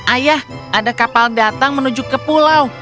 ayah ada kapal datang menuju ke pulau